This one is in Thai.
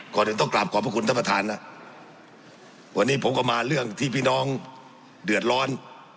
ก่อนอื่นต้องกลับขอบพระคุณท่านประธานนะวันนี้ผมก็มาเรื่องที่พี่น้องเดือดร้อน